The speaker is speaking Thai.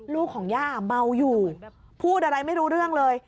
ลูกของย่าเมาอยู่พูดอะไรไม่รู้เรื่องเลย